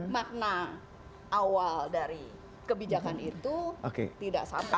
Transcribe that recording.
makna awal dari kebijakan itu tidak sampai